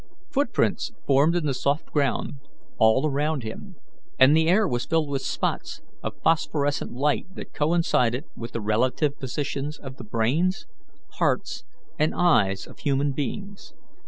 Footprints formed in the soft ground all around him, and the air was filled with spots of phosphorescent light that coincided with the relative positions of the brains, hearts, and eyes of human beings.